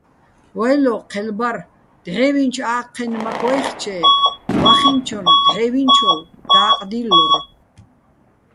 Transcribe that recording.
ვაჲლო ჴელ ბარ: დჵე́ვინჩო̆ ა́ჴენ მაქ ვაჲხჩე, ვახენჩონ დღე́ვინჩოვ და́ყ დილლორ.